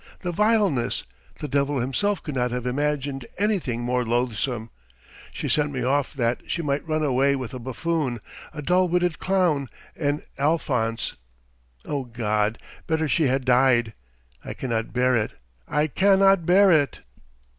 The vileness! The devil himself could not have imagined anything more loathsome! She sent me off that she might run away with a buffoon, a dull witted clown, an Alphonse! Oh God, better she had died! I cannot bear it! I cannot bear it!"